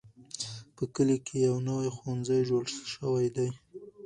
په کلي کې یو نوی ښوونځی جوړ شوی دی.